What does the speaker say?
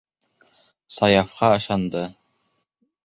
Саяфҡа ышанды.